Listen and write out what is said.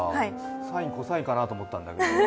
サイン・コサインかなと思ったんですけど。